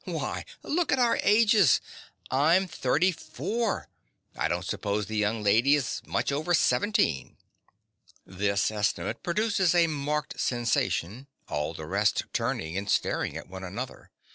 Why, look at our ages! I'm thirty four: I don't suppose the young lady is much over seventeen. (_This estimate produces a marked sensation, all the rest turning and staring at one another.